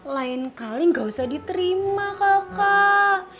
lain kali gak usah diterima kakak